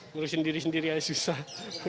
ngurusin diri sendiri aja susah